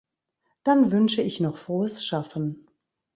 Dann wünsche ich noch frohes Schaffen.